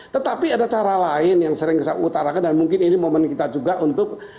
tetapi ada cara lain yang sering saya utarakan dan mungkin ini momen kita juga untuk